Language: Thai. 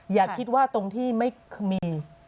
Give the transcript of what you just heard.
อย่าคิดว่าตรงที่ไม่มี